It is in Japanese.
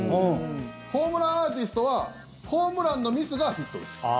ホームランアーティストはホームランのミスがヒットです。